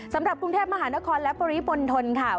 สำหรับกรุงเทพมหานครและปริมณฑลค่ะ